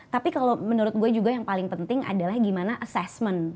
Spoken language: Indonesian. tapi kalau menurut gue juga yang paling penting adalah gimana assessment